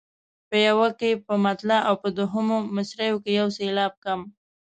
په یوه کې په مطلع او دوهمو مصرعو کې یو سېلاب کم.